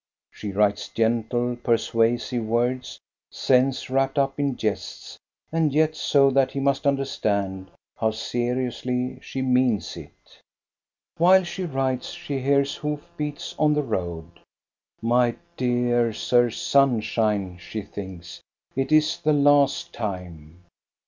She writes gentle, pur suasive words, sense wrapped up in jests, and yet so that he must understand how seriously she means it. While she writes she hears hoof beats on the road. My dear Sir Sunshine," she thinks, " it is the last time."